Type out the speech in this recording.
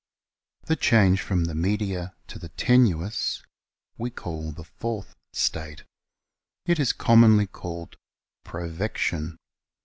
The change from the media to the tenuis we call the FOURTH STATE. It is commonly called provection.